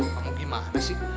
kamu gimana sih